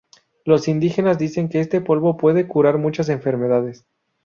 Los indígenas dicen que este polvo puede curar muchas enfermedades.